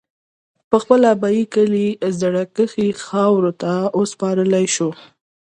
او خپل ابائي کلي زَړَه کښې خاورو ته اوسپارلے شو